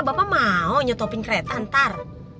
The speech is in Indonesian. bapak mau nyetopping kereta ntar